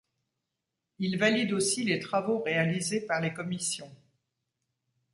Il valide aussi les travaux réalisés par les commissions.